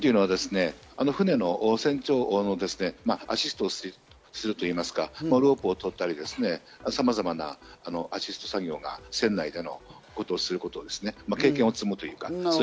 船のアシストをするといいますか、ロープを取ったり、さまざまなアシスト作業が船内でのことをするということですね、経験を積むというか。